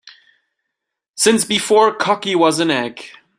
Since before cocky was an egg.